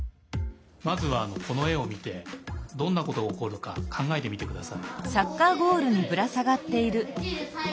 まずはこのえをみてどんなことがおこるかかんがえてみてください。